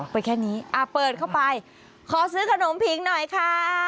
ไปแค่นี้เปิดเข้าไปขอซื้อขนมผิงหน่อยค่ะ